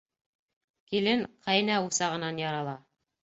Килен ҡәйнә усағынан ярала.